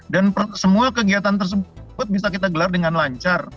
dan semua kegiatan tersebut bisa kita gelar dengan lancar